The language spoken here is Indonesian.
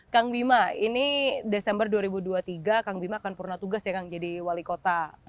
kang bima ini desember dua ribu dua puluh tiga kang bima akan purna tugas ya kang jadi wali kota